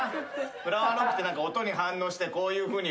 フラワーロックって音に反応してこういうふうに動くんだよ。